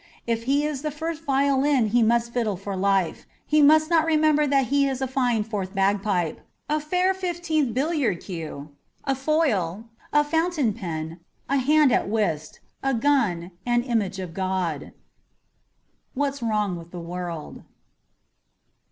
If he is the first violin he must fiddle for life ; he must not remember that he is a fine fourth bagpipe, a fair fifteenth billiard cue, a foil, a fountain pen, a hand at whist, a gun, and an image of God. * Whai's Wrong with the World.'